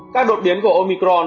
các đột biến của omicron